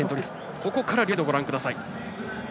ここから両サイドをご覧ください。